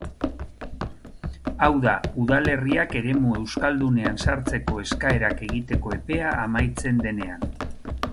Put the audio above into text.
Hau da, udalerriak eremu euskaldunean sartzeko eskaerak egiteko epea amaitzen denean.